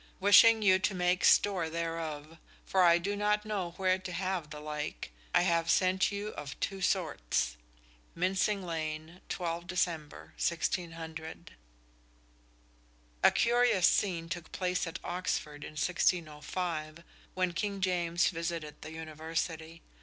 Wishing you to make store thereof, for I do not know where to have the like, I have sent you of two sorts. Mincing Lane, 12 Dec. 1600." A curious scene took place at Oxford in 1605 when King James visited the University.